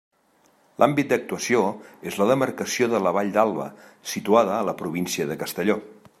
L'àmbit d'actuació és la demarcació de la Vall d'Alba, situada a la província de Castelló.